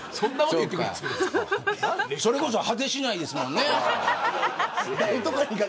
それこそ果てしないですもんね。